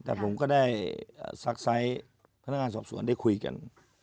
แต่ผมก็ได้ซักไซส์พนักงานสอบสวนได้คุยกัน